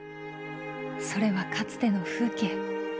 それはかつての風景。